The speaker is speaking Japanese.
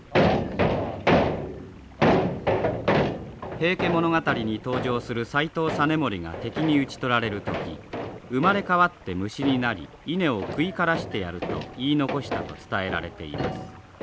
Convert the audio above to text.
「平家物語」に登場する斎藤実盛が敵に討ち取られる時生まれ変わって虫になり稲を食い枯らしてやると言い残したと伝えられています。